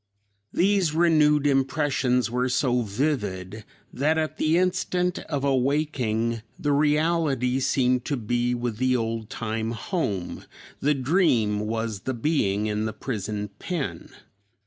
These renewed impressions were so vivid that at the instant of awaking the reality seemed to be with the old time home; the dream was the being in the prison pen.